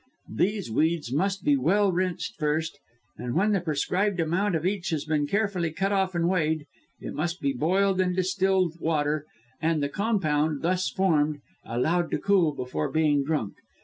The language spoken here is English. These weeds must be well rinsed first; and when the prescribed amount of each has been carefully cut off and weighed, it must be boiled in the distilled water, and the compound, thus formed, allowed to cool before being drunk.